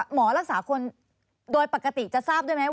หมอรักษาคนโดยปกติจะทราบด้วยไหม